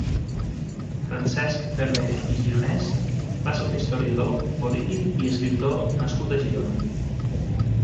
Francesc Ferrer i Gironès va ser un historiador, polític i escriptor nascut a Girona.